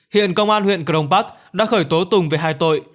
hiện công an huyện krongpak đã khởi tố tùng về hai tội